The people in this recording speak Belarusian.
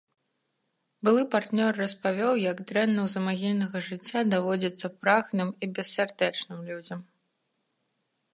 Былы партнёр распавёў, як дрэнна ў замагільнага жыцця даводзіцца прагным і бессардэчна людзям.